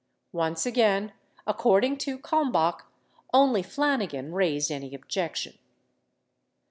Once again according to Kalm bach, only Flanigan raised any objection.